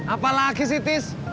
apa lagi sih tis